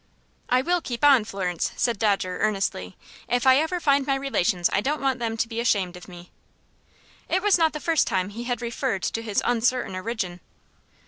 "I will keep on, Florence," said Dodger, earnestly. "If I ever find my relations I don't want them to be ashamed of me." It was not the first time he had referred to his uncertain origin.